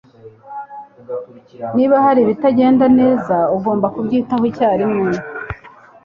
Niba hari ibitagenda neza, ugomba kubyitaho icyarimwe.